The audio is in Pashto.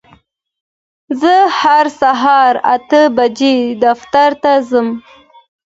زه هر سهار اته بجې دفتر ته ځم.